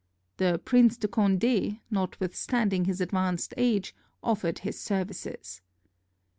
The Prince de Conde, notwithstanding his advanced age, offered his services.